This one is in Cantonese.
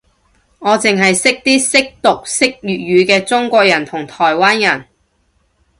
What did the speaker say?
我剩係識啲識讀寫粵語嘅中國人同台灣人